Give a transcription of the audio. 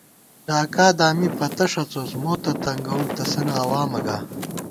ڈاکا دامی پتہ ݭَڅوس موتہ تنگَوُؤ تسَنہ عوامہ گا